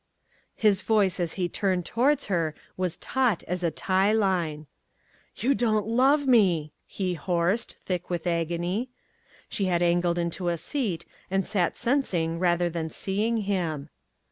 His voice as he turned towards her was taut as a tie line. "You don't love me!" he hoarsed, thick with agony. She had angled into a seat and sat sensing rather than seeing him.